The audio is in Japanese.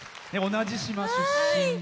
同じ島出身で。